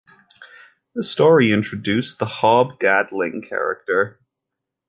This story introduced the Hob Gadling character.